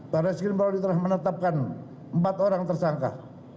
barada sekil merauh diterah menetapkan empat orang tersangka